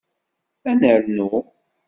Ad nernu?